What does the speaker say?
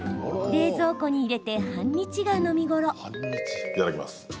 冷蔵庫に入れて半日が飲みごろ。